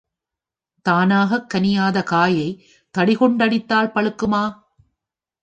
தானாகக் கனியாத காயைத் தடிகொண்டடித்தால் பழுக்குமா?